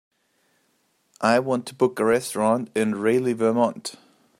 I want to book a restaurant in Reily Vermont.